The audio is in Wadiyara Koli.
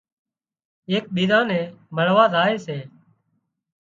ايڪ ٻيزان نين مۯوا زائي سي